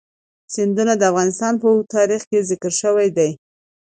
سیندونه د افغانستان په اوږده تاریخ کې ذکر شوی دی.